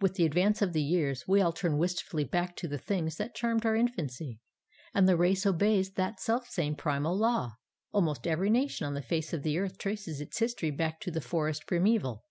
With the advance of the years we all turn wistfully back to the things that charmed our infancy, and the race obeys that selfsame primal law. Almost every nation on the face of the earth traces its history back to the forest primaeval.